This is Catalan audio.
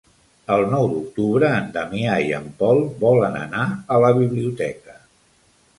El nou d'octubre en Damià i en Pol volen anar a la biblioteca.